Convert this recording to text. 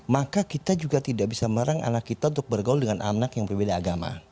maka kita juga tidak bisa melarang anak kita untuk bergaul dengan anak yang berbeda agama